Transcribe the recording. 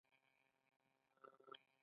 او د دوی هدف دی.